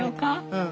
うん。